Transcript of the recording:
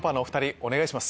お願いします。